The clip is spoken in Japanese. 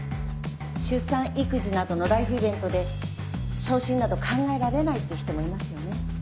出産育児などのライフイベントで昇進など考えられないという人もいますよね。